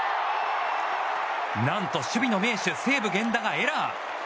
何と守備の名手西武、源田がエラー。